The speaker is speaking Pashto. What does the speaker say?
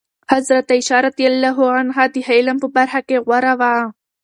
حضرت عایشه رضي الله عنها د علم په برخه کې غوره وه.